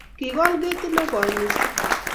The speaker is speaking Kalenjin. Kikol ketit ne koi missing